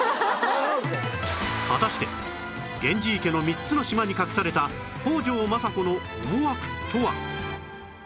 果たして源氏池の３つの島に隠された北条政子の思惑とは？